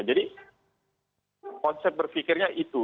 jadi konsep berpikirnya itu